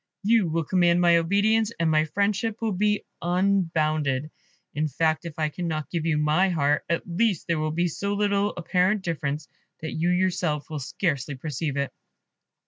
You will command my obedience, and my friendship will be unbounded. In fact, if I cannot give you my heart, at least there will be so little apparent difference, that you yourself will scarcely perceive it."